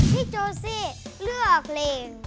พี่โจเซเลือกเพลง